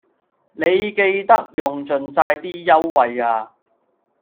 你記得用盡晒啲優惠呀